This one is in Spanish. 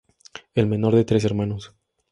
El menor de tres hermanos.